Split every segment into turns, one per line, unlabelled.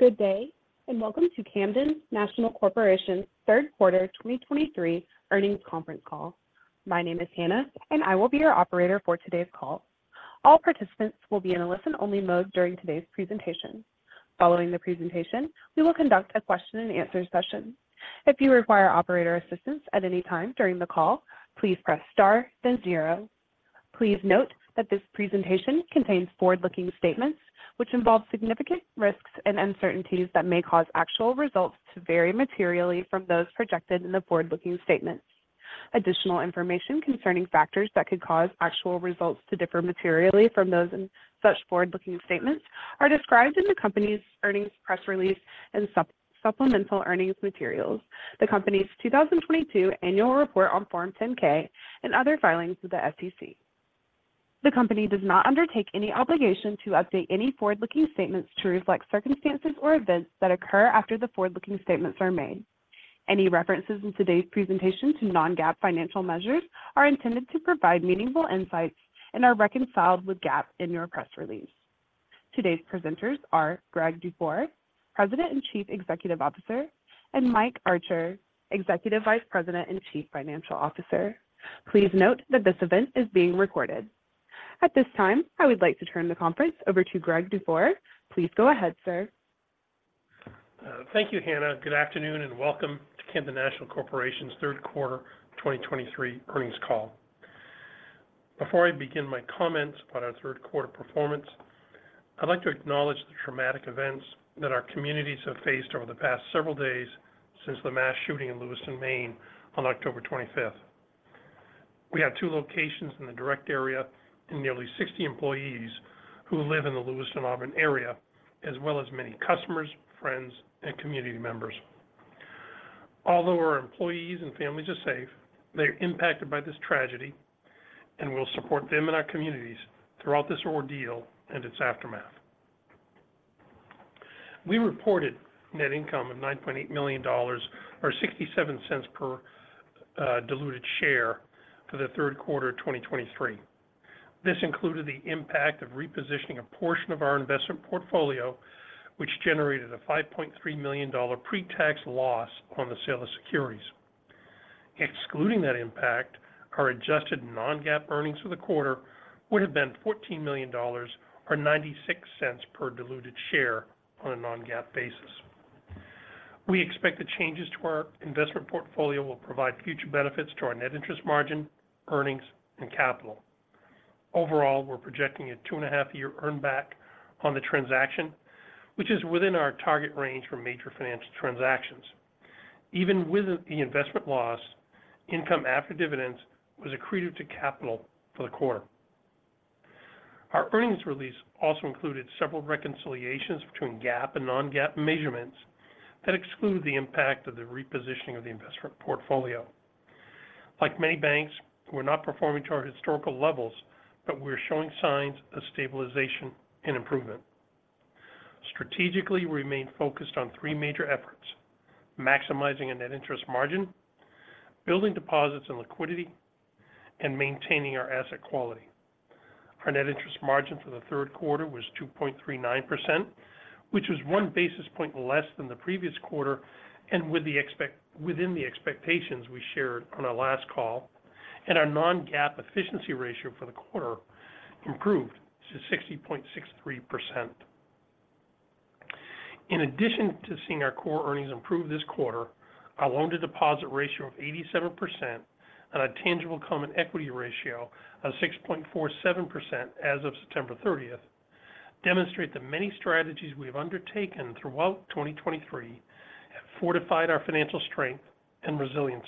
Good day, and welcome to Camden National Corporation's third quarter 2023 earnings conference call. My name is Hannah, and I will be your operator for today's call. All participants will be in a listen-only mode during today's presentation. Following the presentation, we will conduct a question and answer session. If you require operator assistance at any time during the call, please press star then zero. Please note that this presentation contains forward-looking statements which involve significant risks and uncertainties that may cause actual results to vary materially from those projected in the forward-looking statements. Additional information concerning factors that could cause actual results to differ materially from those in such forward-looking statements are described in the company's earnings press release and supplemental earnings materials, the company's 2022 Annual Report on Form 10-K and other filings with the SEC. The company does not undertake any obligation to update any forward-looking statements to reflect circumstances or events that occur after the forward-looking statements are made. Any references in today's presentation to non-GAAP financial measures are intended to provide meaningful insights and are reconciled with GAAP in your press release. Today's presenters are Greg Dufour, President and Chief Executive Officer, and Mike Archer, Executive Vice President and Chief Financial Officer. Please note that this event is being recorded. At this time, I would like to turn the conference over to Greg Dufour. Please go ahead, sir.
Thank you, Hannah. Good afternoon, and welcome to Camden National Corporation's third quarter 2023 earnings call. Before I begin my comments about our third quarter performance, I'd like to acknowledge the traumatic events that our communities have faced over the past several days since the mass shooting in Lewiston, Maine, on October 25th. We have two locations in the direct area and nearly 60 employees who live in the Lewiston-Auburn area, as well as many customers, friends, and community members. Although our employees and families are safe, they are impacted by this tragedy, and we'll support them and our communities throughout this ordeal and its aftermath. We reported net income of $9.8 million or $0.67 per diluted share for the third quarter of 2023. This included the impact of repositioning a portion of our investment portfolio, which generated a $5.3 million pre-tax loss on the sale of securities. Excluding that impact, our adjusted non-GAAP earnings for the quarter would have been $14 million or $0.96 per diluted share on a non-GAAP basis. We expect the changes to our investment portfolio will provide future benefits to our net interest margin, earnings, and capital. Overall, we're projecting a 2.5-year earn back on the transaction, which is within our target range for major financial transactions. Even with the investment loss, income after dividends was accretive to capital for the quarter. Our earnings release also included several reconciliations between GAAP and non-GAAP measurements that exclude the impact of the repositioning of the investment portfolio. Like many banks, we're not performing to our historical levels, but we're showing signs of stabilization and improvement. Strategically, we remain focused on three major efforts: maximizing a net interest margin, building deposits and liquidity, and maintaining our asset quality. Our net interest margin for the third quarter was 2.39%, which was one basis point less than the previous quarter and within the expectations we shared on our last call, and our non-GAAP efficiency ratio for the quarter improved to 60.63%. In addition to seeing our core earnings improve this quarter, our loan-to-deposit ratio of 87% and a tangible common equity ratio of 6.47% as of September 30th demonstrate the many strategies we have undertaken throughout 2023 have fortified our financial strength and resiliency.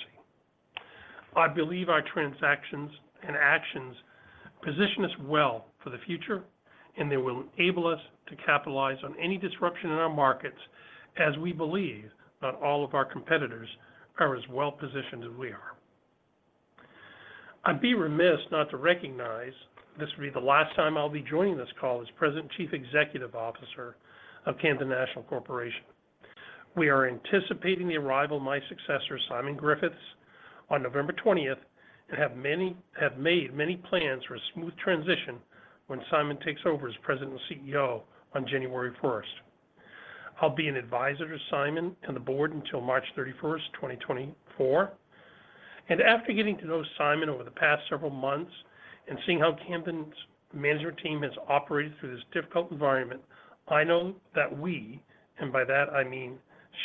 I believe our transactions and actions position us well for the future, and they will enable us to capitalize on any disruption in our markets as we believe not all of our competitors are as well positioned as we are. I'd be remiss not to recognize this will be the last time I'll be joining this call as President and Chief Executive Officer of Camden National Corporation. We are anticipating the arrival of my successor, Simon Griffiths, on November 20th, and have made many plans for a smooth transition when Simon takes over as President and CEO on January 1st. I'll be an advisor to Simon and the board until March 31, 2024. After getting to know Simon over the past several months and seeing how Camden's management team has operated through this difficult environment, I know that we, and by that I mean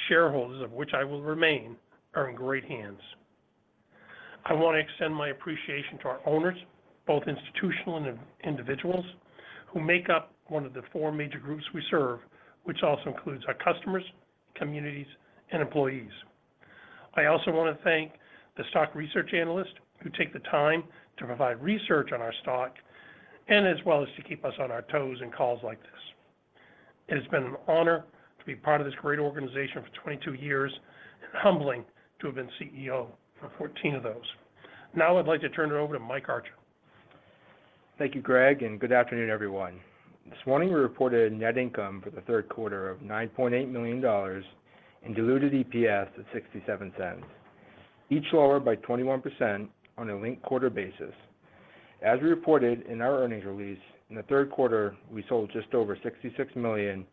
shareholders, of which I will remain, are in great hands. I want to extend my appreciation to our owners, both institutional and individuals, who make up one of the four major groups we serve, which also includes our customers, communities, and employees. I also want to thank the stock research analysts who take the time to provide research on our stock and as well as to keep us on our toes in calls like this. It has been an honor to be part of this great organization for 22 years and humbling to have been CEO for 14 of those. Now, I'd like to turn it over to Mike Archer.
Thank you, Greg, and good afternoon, everyone. This morning, we reported a net income for the third quarter of $9.8 million and diluted EPS at $0.67, each lower by 21% on a linked quarter basis. As we reported in our earnings release, in the third quarter, we sold just over $66 million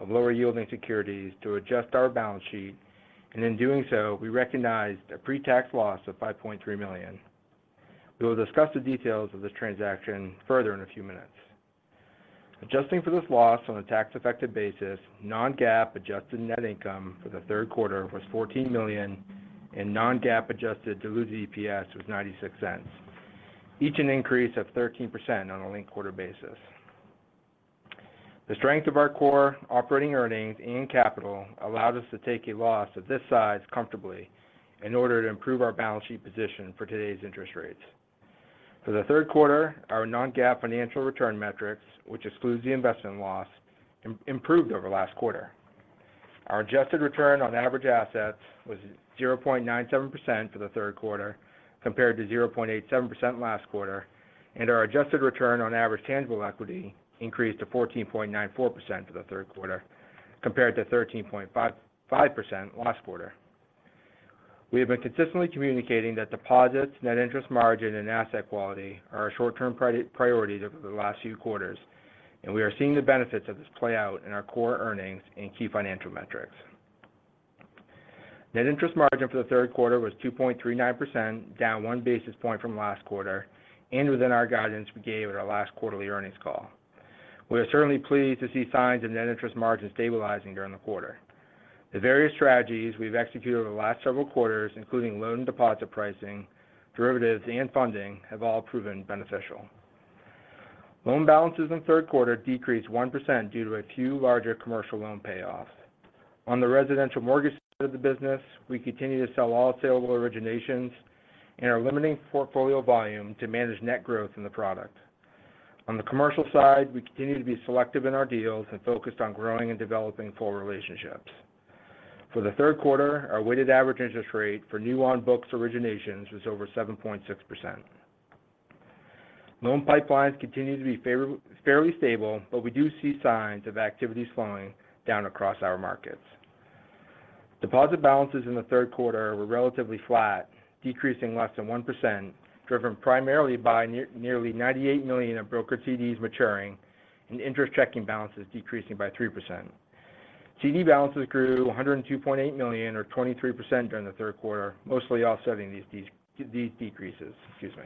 of lower yielding securities to adjust our balance sheet, and in doing so, we recognized a pre-tax loss of $5.3 million. We will discuss the details of this transaction further in a few minutes. Adjusting for this loss on a tax effective basis, non-GAAP adjusted net income for the third quarter was $14 million, and non-GAAP adjusted diluted EPS was $0.96, each an increase of 13% on a linked quarter basis. The strength of our core operating earnings and capital allowed us to take a loss of this size comfortably in order to improve our balance sheet position for today's interest rates. For the third quarter, our non-GAAP financial return metrics, which excludes the investment loss, improved over last quarter. Our adjusted return on average assets was 0.97% for the third quarter, compared to 0.87% last quarter, and our adjusted return on average tangible equity increased to 14.94% for the third quarter, compared to 13.55% last quarter. We have been consistently communicating that deposits, net interest margin, and asset quality are our short-term priorities over the last few quarters, and we are seeing the benefits of this play out in our core earnings and key financial metrics. Net interest margin for the third quarter was 2.39%, down 1 basis point from last quarter and within our guidance we gave at our last quarterly earnings call. We are certainly pleased to see signs of net interest margin stabilizing during the quarter. The various strategies we've executed over the last several quarters, including loan deposit pricing, derivatives, and funding, have all proven beneficial. Loan balances in the third quarter decreased 1% due to a few larger commercial loan payoffs. On the residential mortgage side of the business, we continue to sell all saleable originations and are limiting portfolio volume to manage net growth in the product. On the commercial side, we continue to be selective in our deals and focused on growing and developing full relationships. For the third quarter, our weighted average interest rate for new on-books originations was over 7.6%. Loan pipelines continue to be fairly stable, but we do see signs of activities slowing down across our markets. Deposit balances in the third quarter were relatively flat, decreasing less than 1%, driven primarily by nearly $98 million of brokered CDs maturing and interest checking balances decreasing by 3%. CD balances grew $102.8 million, or 23% during the third quarter, mostly offsetting these decreases. Excuse me.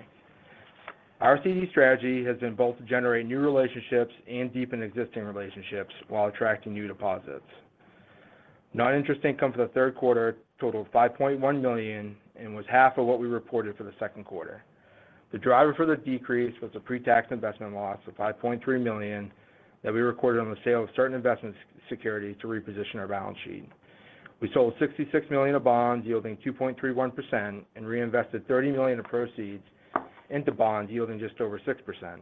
Our CD strategy has been both to generate new relationships and deepen existing relationships while attracting new deposits. Non-interest income for the third quarter totaled $5.1 million and was half of what we reported for the second quarter. The driver for the decrease was a pre-tax investment loss of $5.3 million that we recorded on the sale of certain investment security to reposition our balance sheet. We sold $66 million of bonds yielding 2.31% and reinvested $30 million of proceeds into bonds yielding just over 6%.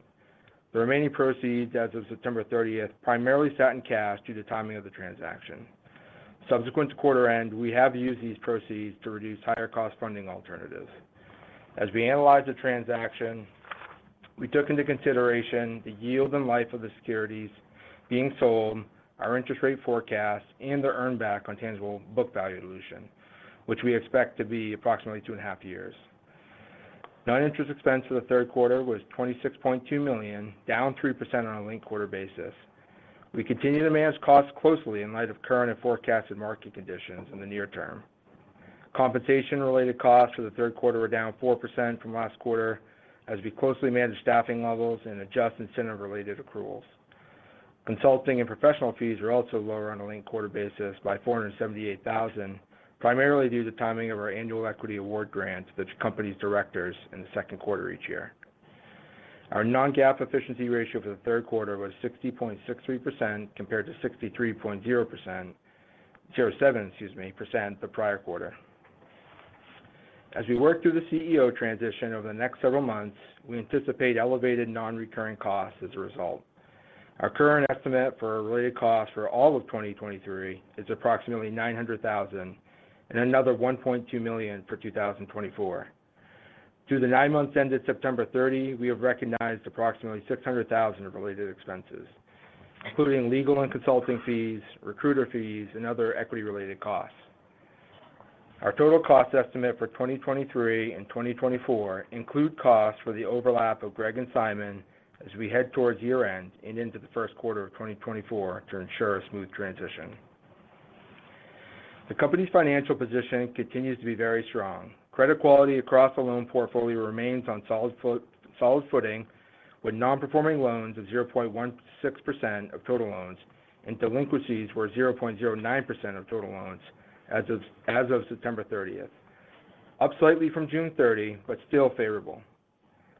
The remaining proceeds as of September 30th, primarily sat in cash due to timing of the transaction. Subsequent to quarter end, we have used these proceeds to reduce higher cost funding alternatives. As we analyzed the transaction, we took into consideration the yield and life of the securities being sold, our interest rate forecast, and the earn back on tangible book value dilution, which we expect to be approximately 2.5 years. Non-interest expense for the third quarter was $26.2 million, down 3% on a linked quarter basis. We continue to manage costs closely in light of current and forecasted market conditions in the near term. Compensation-related costs for the third quarter were down 4% from last quarter, as we closely managed staffing levels and adjust incentive-related accruals. Consulting and professional fees were also lower on a linked quarter basis by $478,000, primarily due to the timing of our annual equity award grants, which company's directors in the second quarter each year. Our non-GAAP efficiency ratio for the third quarter was 60.63%, compared to 63.07%, excuse me, the prior quarter. As we work through the CEO transition over the next several months, we anticipate elevated non-recurring costs as a result. Our current estimate for a related cost for all of 2023 is approximately $900,000 and another $1.2 million for 2024. Through the nine months ended September 30, we have recognized approximately $600,000 in related expenses, including legal and consulting fees, recruiter fees, and other equity-related costs. Our total cost estimate for 2023 and 2024 include costs for the overlap of Greg and Simon as we head towards year-end and into the first quarter of 2024 to ensure a smooth transition. The company's financial position continues to be very strong. Credit quality across the loan portfolio remains on solid footing, with non-performing loans of 0.16% of total loans, and delinquencies were 0.09% of total loans as of September 30. Up slightly from June 30, but still favorable.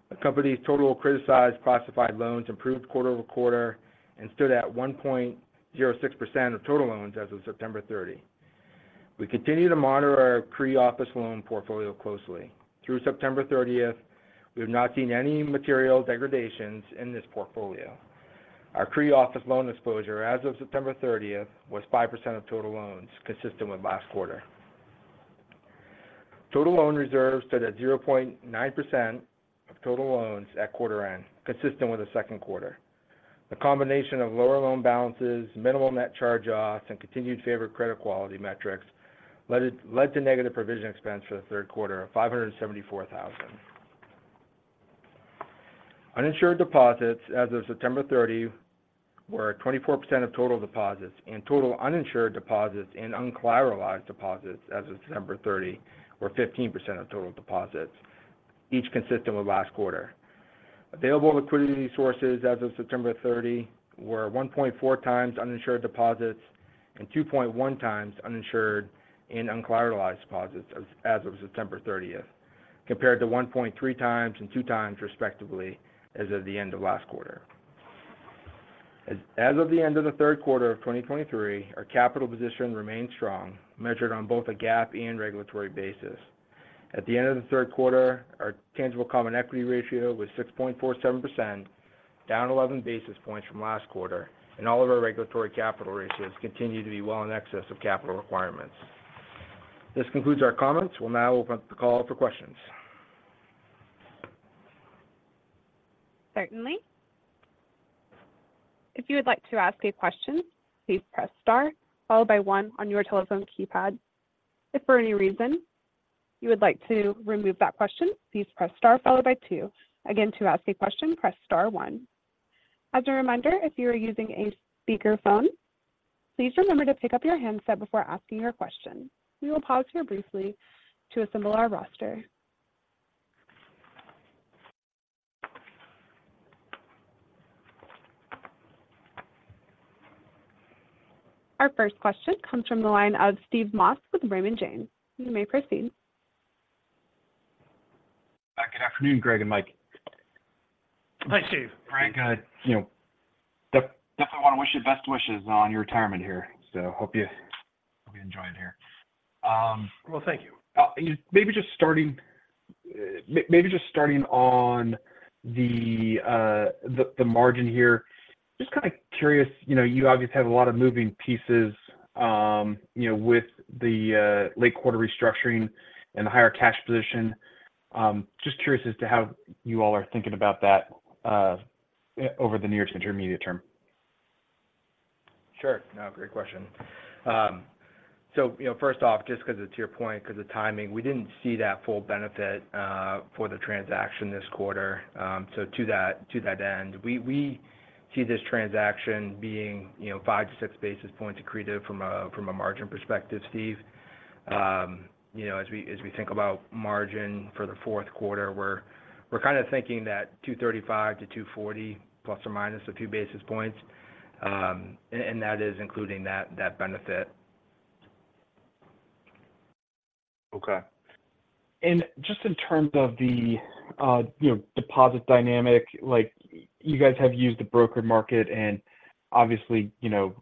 The company's total criticized classified loans improved quarter-over-quarter and stood at 1.06% of total loans as of September 30. We continue to monitor our pre-office loan portfolio closely. Through September 30th, we have not seen any material degradations in this portfolio. Our pre-office loan exposure as of September 30 was 5% of total loans, consistent with last quarter. Total loan reserves stood at 0.9% of total loans at quarter end, consistent with the second quarter. The combination of lower loan balances, minimal net charge-offs, and continued favorable credit quality metrics led to negative provision expense for the third quarter of $574,000. Uninsured deposits as of September 30 were 24% of total deposits, and total uninsured deposits and uncollateralized deposits as of September 30 were 15% of total deposits, each consistent with last quarter. Available liquidity sources as of September 30 were 1.4x uninsured deposits and 2.1x uninsured and uncollateralized deposits as of September 30, compared to 1.3x and 2x, respectively, as of the end of last quarter. As of the end of the third quarter of 2023, our capital position remained strong, measured on both a GAAP and regulatory basis. At the end of the third quarter, our tangible common equity ratio was 6.47%, down 11 basis points from last quarter, and all of our regulatory capital ratios continue to be well in excess of capital requirements. This concludes our comments. We'll now open up the call for questions
Certainly. If you would like to ask a question, please press star, followed by one on your telephone keypad. If for any reason you would like to remove that question, please press star followed by two. Again, to ask a question, press star one. As a reminder, if you are using a speakerphone, please remember to pick up your handset before asking your question. We will pause here briefly to assemble our roster. Our first question comes from the line of Steve Moss with Raymond James. You may proceed.
Good afternoon, Greg and Mike.
Hi, Steve.
Hi.
Great, good. You know, definitely want to wish you best wishes on your retirement here. So hope you, hope you enjoy it here.
Well, thank you.
You know, maybe just starting on the margin here. Just kind of curious, you know, you obviously have a lot of moving pieces, you know, with the late quarter restructuring and the higher cash position. Just curious as to how you all are thinking about that, over the near to intermediate term.
Sure. No, great question. So you know, first off, just because it's to your point, because the timing, we didn't see that full benefit for the transaction this quarter. So to that, to that end, we see this transaction being, you know, 5-6 basis points accretive from a margin perspective, Steve. You know, as we think about margin for the fourth quarter, we're kind of thinking that 235-240, plus or minus a few basis points, and that is including that benefit.
Okay. And just in terms of the, you know, deposit dynamic, like you guys have used the broker market and obviously, you know,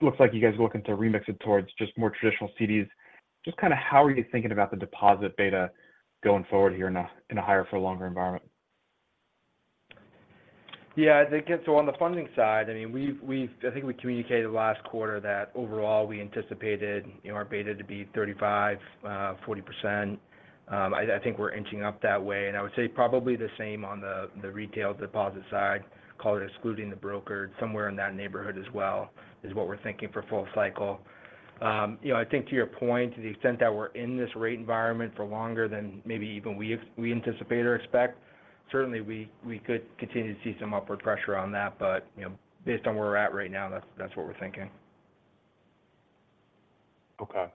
looks like you guys are looking to remix it towards just more traditional CDs. Just kind of how are you thinking about the deposit beta going forward here in a higher for a longer environment?
Yeah, I think so on the funding side, I mean, we've-- I think we communicated last quarter that overall we anticipated, you know, our beta to be 35%-40%. I think we're inching up that way, and I would say probably the same on the retail deposit side, call it excluding the broker, somewhere in that neighborhood as well, is what we're thinking for full cycle. You know, I think to your point, to the extent that we're in this rate environment for longer than maybe even we anticipate or expect, certainly we could continue to see some upward pressure on that. But, you know, based on where we're at right now, that's what we're thinking.
Okay.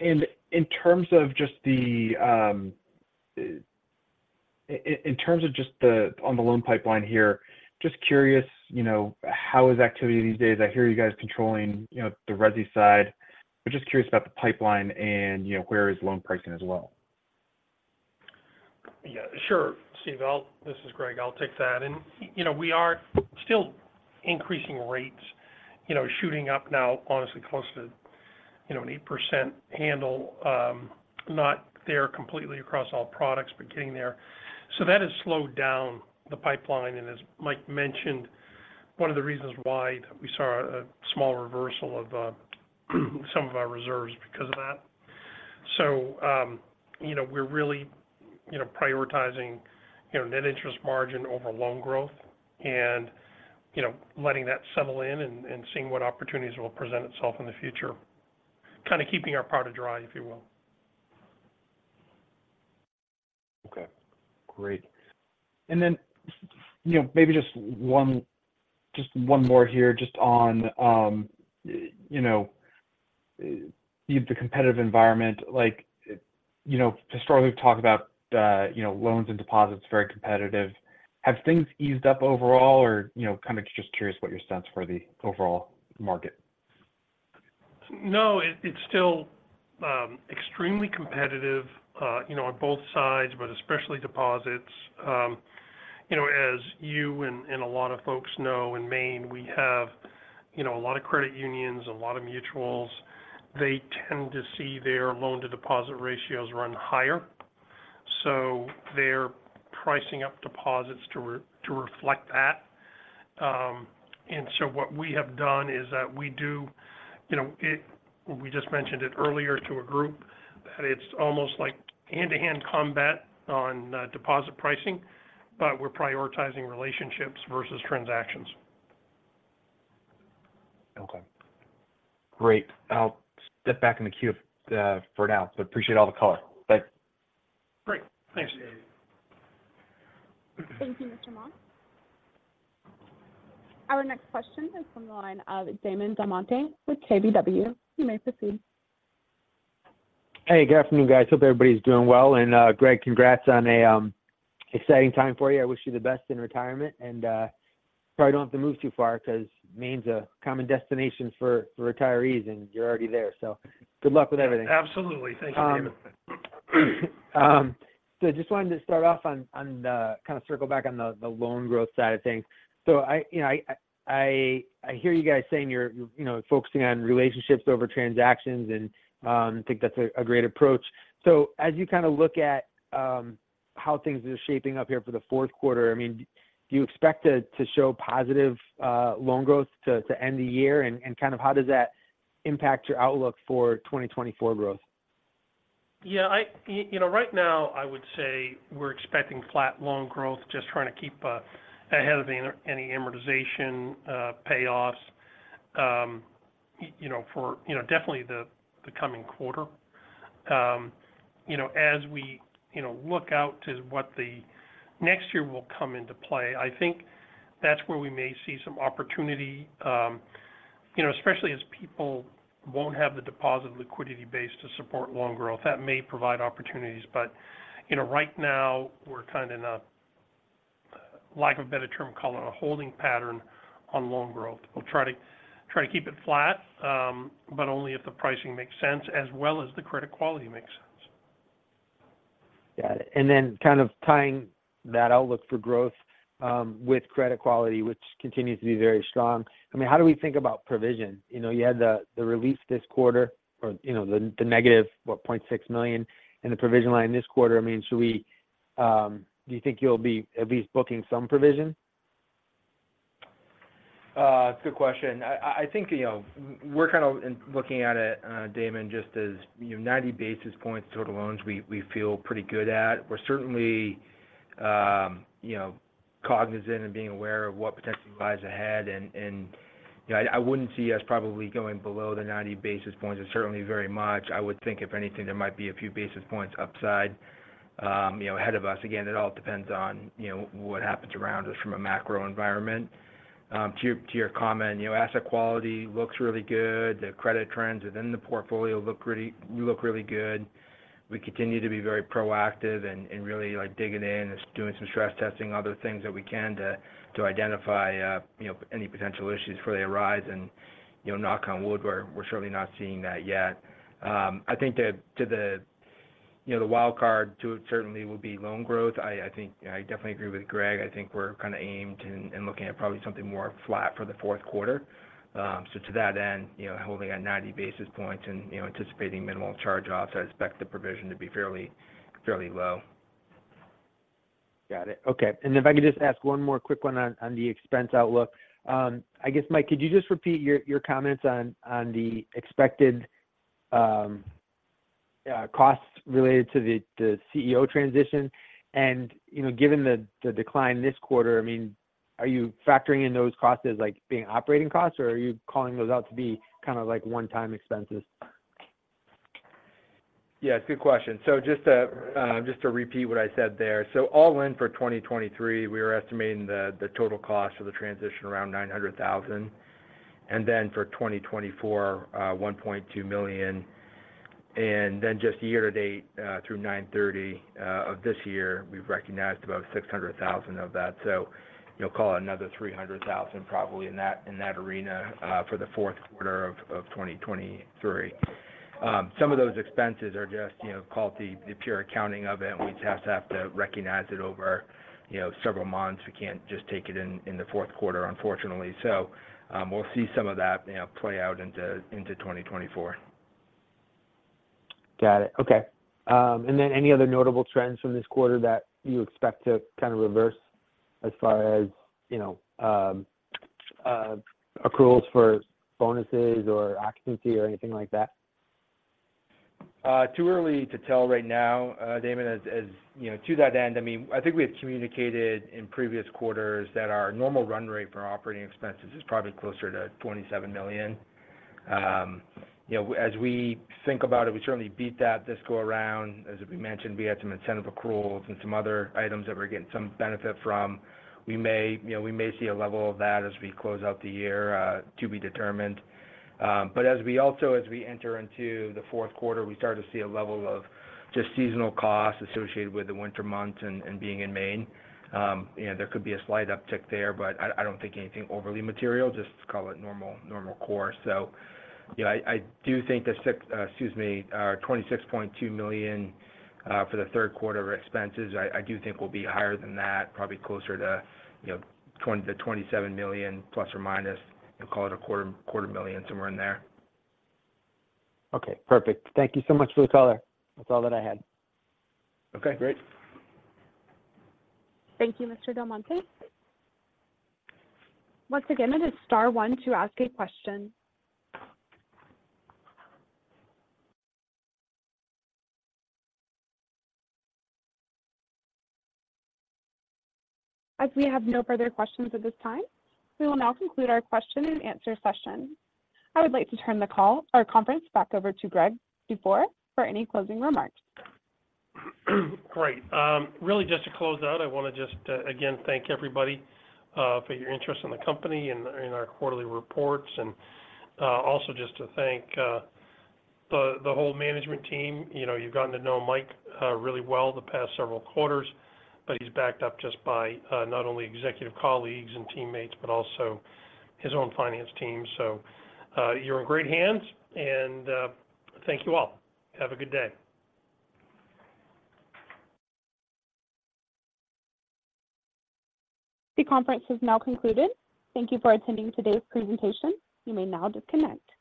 And in terms of just the on the loan pipeline here, just curious, you know, how is activity these days? I hear you guys controlling, you know, the resi side. But just curious about the pipeline and, you know, where is loan pricing as well?
Yeah, sure. Steve, I'll—this is Greg. I'll take that. And, you know, we are still increasing rates, you know, shooting up now, honestly, close to, you know, an 8% handle. Not there completely across all products, but getting there. So that has slowed down the pipeline, and as Mike mentioned, one of the reasons why we saw a small reversal of some of our reserves because of that. So, you know, we're really, you know, prioritizing, you know, net interest margin over loan growth and, you know, letting that settle in and seeing what opportunities will present itself in the future. Kind of keeping our powder dry, if you will.
Okay, great. And then, you know, maybe just one, just one more here, just on, you know, the competitive environment. Like, you know, historically, we've talked about, you know, loans and deposits, very competitive. Have things eased up overall or, you know, kind of just curious what your sense for the overall market?
No, it's still extremely competitive, you know, on both sides, but especially deposits. You know, as you and a lot of folks know, in Maine, we have, you know, a lot of credit unions, a lot of mutuals. They tend to see their loan-to-deposit ratios run higher, so they're pricing up deposits to reflect that. And so what we have done is that we do, you know, we just mentioned it earlier to a group.... that it's almost like hand-to-hand combat on deposit pricing, but we're prioritizing relationships versus transactions.
Okay. Great. I'll step back in the queue for, for now, but appreciate all the color. Bye.
Great. Thanks.
Thank you, Mr. Moss. Our next question is from the line of Damon DelMonte with KBW. You may proceed.
Hey, good afternoon, guys. Hope everybody's doing well, and Greg, congrats on a exciting time for you. I wish you the best in retirement, and probably don't have to move too far 'cause Maine's a common destination for retirees, and you're already there. So good luck with everything.
Absolutely. Thank you, Damon.
So just wanted to start off on the kind of circle back on the loan growth side of things. So I, you know, I hear you guys saying you're, you know, focusing on relationships over transactions, and I think that's a great approach. So as you kind of look at how things are shaping up here for the fourth quarter, I mean, do you expect to show positive loan growth to end the year? And kind of how does that impact your outlook for 2024 growth?
Yeah, you know, right now, I would say we're expecting flat loan growth, just trying to keep ahead of any amortization payoffs. You know, for, you know, definitely the coming quarter. You know, as we, you know, look out to what the next year will come into play, I think that's where we may see some opportunity. You know, especially as people won't have the deposit liquidity base to support loan growth, that may provide opportunities. But, you know, right now, we're kind of in a, lack of a better term, call it a holding pattern on loan growth. We'll try to keep it flat, but only if the pricing makes sense, as well as the credit quality makes sense.
Got it. And then kind of tying that outlook for growth with credit quality, which continues to be very strong, I mean, how do we think about provision? You know, you had the release this quarter or, you know, the -$0.6 million in the provision line this quarter. I mean, should we do you think you'll be at least booking some provision?
Good question. I think, you know, we're kind of looking at it, Damon, just as, you know, 90 basis points total loans, we feel pretty good at. We're certainly, you know, cognizant and being aware of what potentially lies ahead. And, you know, I wouldn't see us probably going below the 90 basis points and certainly very much. I would think if anything, there might be a few basis points upside, you know, ahead of us. Again, it all depends on, you know, what happens around us from a macro environment. To your comment, you know, asset quality looks really good. The credit trends within the portfolio look really good. We continue to be very proactive and really, like, digging in and doing some stress testing, other things that we can to identify, you know, any potential issues before they arise. And, you know, knock on wood, we're certainly not seeing that yet. I think to the, you know, the wild card, too, it certainly will be loan growth. I think I definitely agree with Greg. I think we're kind of aimed and looking at probably something more flat for the fourth quarter. So to that end, you know, holding at 90 basis points and, you know, anticipating minimal charge-offs, I expect the provision to be fairly low.
Got it. Okay. And if I could just ask one more quick one on the expense outlook. I guess, Mike, could you just repeat your comments on the expected costs related to the CEO transition? And, you know, given the decline this quarter, I mean, are you factoring in those costs as like being operating costs, or are you calling those out to be kind of like one-time expenses?
Yeah, good question. So just to, just to repeat what I said there. So all in, for 2023, we were estimating the, the total cost of the transition around $900,000. And then for 2024, $1.2 million. And then just year-to-date, through 9/30, of this year, we've recognized about $600,000 of that. So, you know, call it another $300,000, probably in that, in that arena, for the fourth quarter of 2023. Some of those expenses are just, you know, call it the, the pure accounting of it, and we just have to recognize it over, you know, several months. We can't just take it in, in the fourth quarter, unfortunately. So, we'll see some of that, you know, play out into 2024.
Got it. Okay. And then any other notable trends from this quarter that you expect to kind of reverse as far as, you know, accruals for bonuses or occupancy or anything like that?
Too early to tell right now, Damon. As you know, to that end, I mean, I think we have communicated in previous quarters that our normal run rate for operating expenses is probably closer to $27 million. You know, as we think about it, we certainly beat that this go around. As we mentioned, we had some incentive accruals and some other items that we're getting some benefit from. We may, you know, we may see a level of that as we close out the year, to be determined. But as we also enter into the fourth quarter, we start to see a level of just seasonal costs associated with the winter months and being in Maine. You know, there could be a slight uptick there, but I don't think anything overly material, just call it normal course. So, you know, I do think the $26.2 million for the third quarter expenses will be higher than that, probably closer to, you know, $27 million plus or minus. We'll call it a $250,000, somewhere in there.
Okay, perfect. Thank you so much for the color. That's all that I had.
Okay, great.
Thank you, Mr. DelMonte. Once again, it is star one to ask a question. As we have no further questions at this time, we will now conclude our question and answer session. I would like to turn the call or conference back over to Greg Dufour for any closing remarks.
Great. Really just to close out, I want to just again thank everybody for your interest in the company and our quarterly reports, and also just to thank the whole management team. You know, you've gotten to know Mike really well the past several quarters, but he's backed up just by not only executive colleagues and teammates, but also his own finance team. So, you're in great hands, and thank you all. Have a good day.
The conference is now concluded. Thank you for attending today's presentation. You may now disconnect.